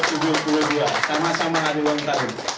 sama sama hari ulang tahun